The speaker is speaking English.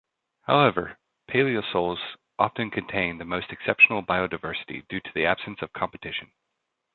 However, paleosols often contain the most exceptional biodiversity due to the absence of competition.